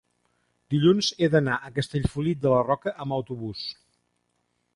dilluns he d'anar a Castellfollit de la Roca amb autobús.